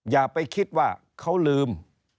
อย่าไปคิดว่าเขาลืม